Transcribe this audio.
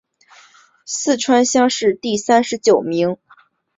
四川乡试第三十九名。